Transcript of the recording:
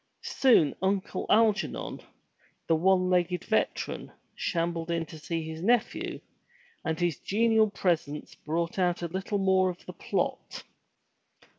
Soon Uncle Algernon, the one legged veteran, shambled in to see his nephew, and his genial presence brought out a little more of the plot.